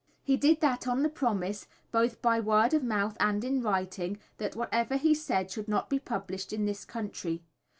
He did that on the promise, both by word of mouth and in writing, that whatever he said should not be published in this country.